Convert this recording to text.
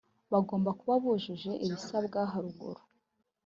bagomba kuba bujuje ibisabwa haruguru